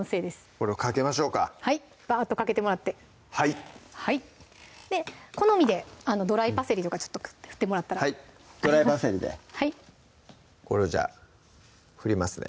これをかけましょうかはいバッとかけてもらって好みでドライパセリとかちょっと振ってもらったらドライパセリでこれをじゃあ振りますね